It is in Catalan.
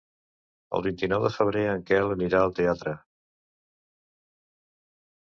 El vint-i-nou de febrer en Quel anirà al teatre.